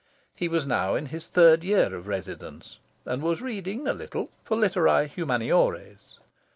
He was now in his third year of residence, and was reading, a little, for Literae Humaniores.